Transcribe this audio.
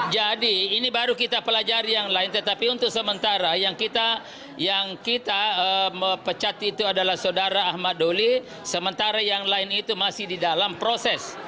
jadi ini baru kita pelajari yang lain tetapi untuk sementara yang kita pecat itu adalah saudara ahmad duli sementara yang lain itu masih di dalam proses